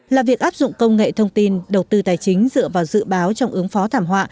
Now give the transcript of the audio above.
là việc áp dụng công nghệ thông tin đầu tư tài chính dựa vào dự báo trong ứng phó thảm họa